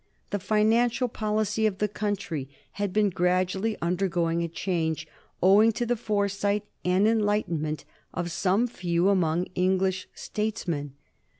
The financial policy of the country had been gradually undergoing a change, owing to the foresight and enlightenment of some few among English statesmen.